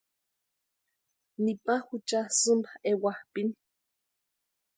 Nipa jucha sïmpa ewapʼini.